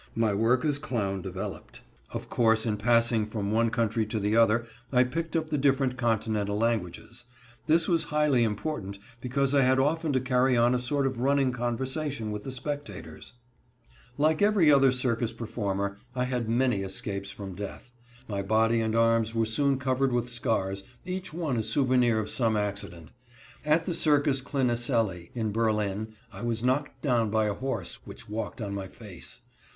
My work as clown developed. Of course, in passing from one country to the other I picked up the different Continental languages. This was highly important, because I had often to carry on a sort of running conversation with the spectators. Like every other circus performer I had many escapes from death. My body and arms were soon covered with scars, each one a souvenir of some accident. At the Circus Cliniselli in Berlin I was knocked down by a horse, which walked on my face.